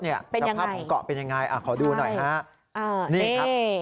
สภาพของเกาะเป็นยังไงขอดูหน่อยฮะนี่ครับ